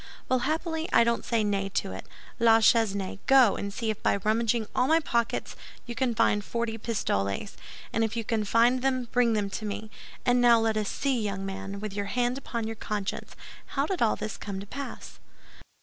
Well, happily, I don't say nay to it. La Chesnaye, go and see if by rummaging all my pockets you can find forty pistoles; and if you can find them, bring them to me. And now let us see, young man, with your hand upon your conscience, how did all this come to pass?"